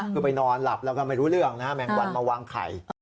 คือไปนอนหลับแล้วก็ไม่รู้เรื่องนะฮะแมงวันมาวางไข่